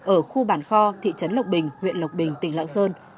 ở khu bản kho thị trấn lộc bình huyện lộc bình tỉnh lạng sơn